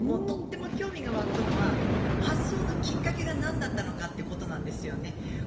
とっても興味が湧くのは発想のきっかけがなんだったのかっていうことなんですよね。